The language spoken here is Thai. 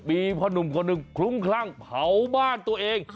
มีพ่อหนุ่มคนหนึ่งคลุ้มคลั่งเผาบ้านตัวเอง